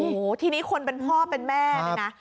โอ้โหทีนี้คนเป็นพ่อเป็นแม่เนี่ยนะ